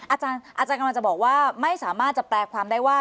อาจารย์กำลังจะบอกว่าไม่สามารถจะแปลความได้ว่า